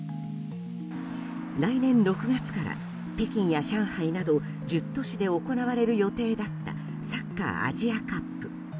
来年６月から北京や上海など１０都市で行われる予定だったサッカー・アジアカップ。